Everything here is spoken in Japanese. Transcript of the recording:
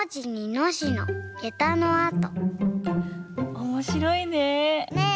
おもしろいねぇ。ね。